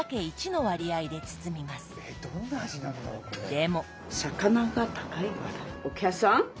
でも。